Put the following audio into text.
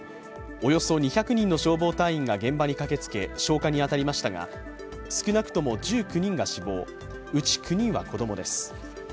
およそ２００人の消防隊員が現場に駆けつけ、消火に当たりましたが少なくとも１９人が死亡、うち９人は子供です。